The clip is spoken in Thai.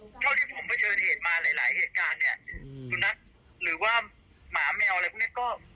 เท่าที่ผมเผชิญเหตุมาหลายหลายเหตุการณ์เนี่ยสุนัขหรือว่าหมาแมวอะไรพวกนี้ก็